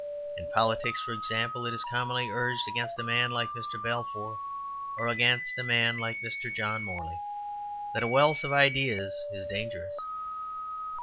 In politics, for example, it is commonly urged against a man like Mr. Balfour, or against a man like Mr. John Morley, that a wealth of ideas is dangerous.